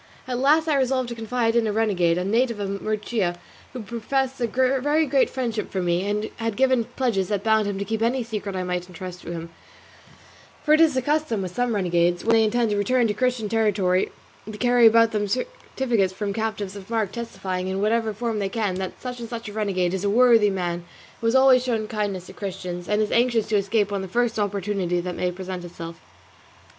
At last I resolved to confide in a renegade, a native of Murcia, who professed a very great friendship for me, and had given pledges that bound him to keep any secret I might entrust to him; for it is the custom with some renegades, when they intend to return to Christian territory, to carry about them certificates from captives of mark testifying, in whatever form they can, that such and such a renegade is a worthy man who has always shown kindness to Christians, and is anxious to escape on the first opportunity that may present itself.